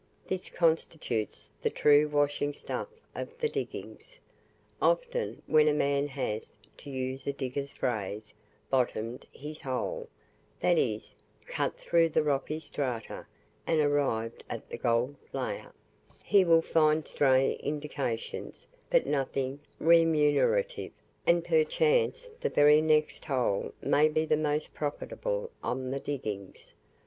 This constitutes the true washing stuff of the diggings. Often when a man has to use a digger's phrase "bottomed his hole," (that is, cut through the rocky strata, and arrived at the gold layer), he will find stray indications, but nothing remunerative, and perchance the very next hole may be the most profitable on the diggings.